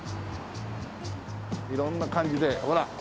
色んな感じでほらっねえ